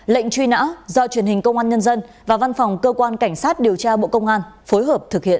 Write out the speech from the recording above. lệnh truy nã do truyền hình công an nhân dân và văn phòng cơ quan cảnh sát điều tra bộ công an phối hợp thực hiện